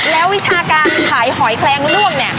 แล้ววิชาการขายหอยแคลงล่วงเนี่ย